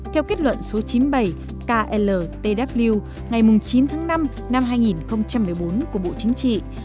theo kết luận số chín mươi bảy kltw ngày chín tháng năm năm hai nghìn một mươi bốn của bộ chính trị